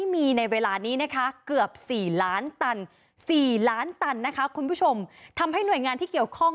สี่ล้านตันสี่ล้านตันนะคะคุณผู้ชมทำให้หน่วยงานที่เกี่ยวข้อง